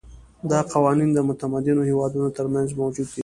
دا قوانین د متمدنو هېوادونو ترمنځ موجود دي.